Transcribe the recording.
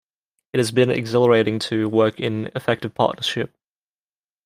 It has been exhilarating to work in effective partnership.